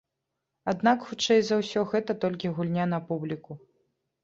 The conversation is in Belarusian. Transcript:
Аднак, хутчэй за ўсё, гэта толькі гульня на публіку.